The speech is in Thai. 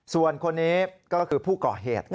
ส่วนคนนี้ก็คือผู้ก่อเหตุ